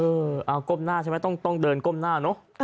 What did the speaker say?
เออเอาก้มหน้าใช่ไหมต้องเดินก้มหน้าเนอะ